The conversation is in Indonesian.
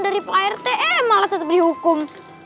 dari prt eh malah tetep dihukum